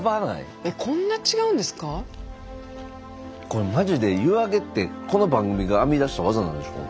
これマジで湯揚げってこの番組が編み出したワザなんでしょ？